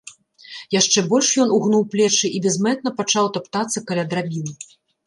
Яшчэ больш ён угнуў плечы і бязмэтна пачаў таптацца каля драбін.